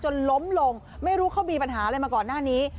ล้มลงไม่รู้เขามีปัญหาอะไรมาก่อนหน้านี้